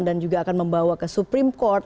dan juga akan membawa ke supreme court